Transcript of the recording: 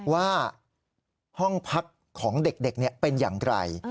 ว่าห้องพักของเด็กเป็นอย่างไร